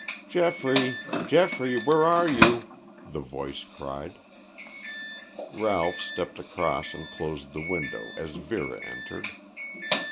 "Geoffrey, Geoffrey, where are you?" the voice cried. Ralph stepped across and closed the window as Vera entered.